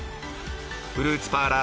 フルーツパーラー